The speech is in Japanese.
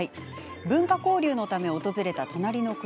文化交流のため訪れた隣の国